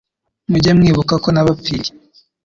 mujye mwibuka ko nabapfiriye.